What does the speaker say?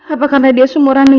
apa karena dia sumuran dengan dindi